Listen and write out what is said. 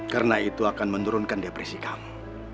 karena itu akan menurunkan depresi kamu